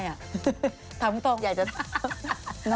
อยากจะถาม